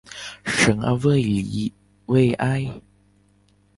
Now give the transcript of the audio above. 圣阿维里维埃。